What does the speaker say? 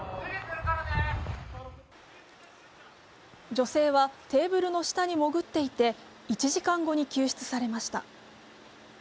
女性はテーブルの下に潜っていて、１時間後に救出されました。